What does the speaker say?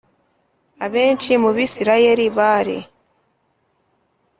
Abenshi mu Bisirayeli bari